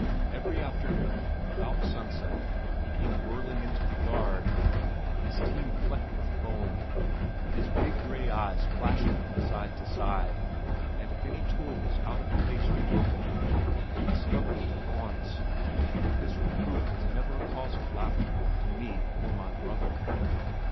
Every afternoon, about sunset he came whirling into the yard, his team flecked with foam, his big gray eyes flashing from side to side, and if any tool was out of place or broken, he discovered it at once, and his reproof was never a cause of laughter to me or my brother.